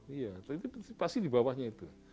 iya tapi pasti di bawahnya itu